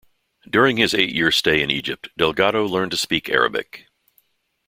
During his eight-year stay in Egypt, Delgado learned to speak Arabic.